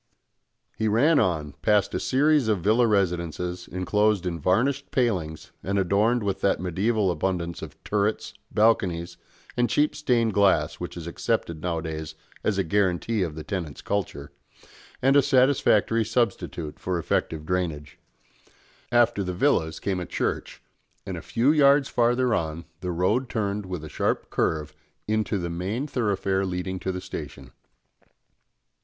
He ran on, past a series of villa residences enclosed in varnished palings and adorned with that mediæval abundance of turrets, balconies, and cheap stained glass, which is accepted nowadays as a guarantee of the tenant's culture, and a satisfactory substitute for effective drainage. After the villas came a church, and a few yards farther on the road turned with a sharp curve into the main thoroughfare leading to the station.